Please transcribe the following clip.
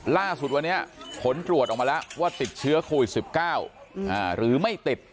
ล่าสุดวันนี้ผลตรวจออกมาแล้วว่าติดเชื้อโควิด๑๙หรือไม่ติด